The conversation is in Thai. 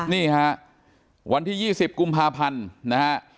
นี่ฮะวันที่๒๐กุมภาพันธ์นะฮะ